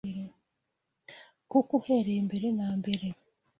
Kuko uhereye mbere na mbere,